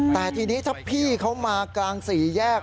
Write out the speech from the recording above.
แต่ทีนี้ถ้าพี่เขามากลางสี่แยก